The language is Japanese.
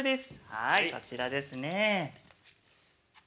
はいこちらですね。